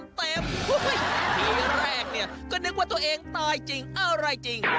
เฮ่ยทีแรกก็นึกว่าตัวเองตายจริงอะไรจริง